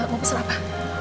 mau pesen apa